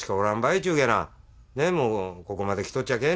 っちゅうげな「もうここまできとっちゃけん」